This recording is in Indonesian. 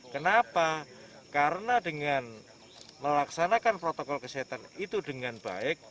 kenapa karena dengan melaksanakan protokol kesehatan itu dengan baik